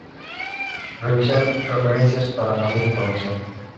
Revisar referencias para mayor información".